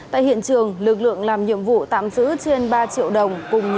tại hiện trường lực lượng làm nhiệm vụ tạm giữ trên ba triệu đồng cùng